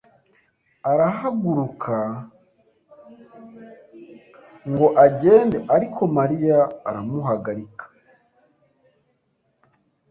arahaguruka ngo agende, ariko Mariya aramuhagarika.